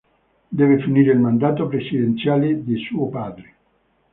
Deve finire il mandato presidenziale di suo padre.